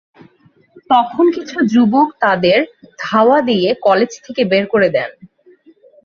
তখন কিছু যুবক তাঁদের ধাওয়া দিয়ে কলেজ থেকে বের করে দেন।